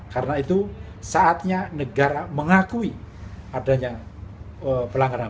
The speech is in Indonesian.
karena itu saatnya negara mengakui adanya pelanggaran